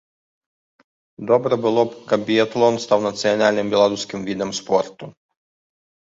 Добра было б, каб біятлон стаў нацыянальным беларускім відам спорту!